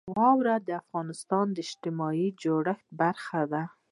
واوره د افغانستان د اجتماعي جوړښت برخه ده.